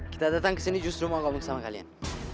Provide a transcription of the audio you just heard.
kita datang kesini justru mau ngomong sama kalian